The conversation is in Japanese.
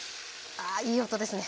あいい音ですね。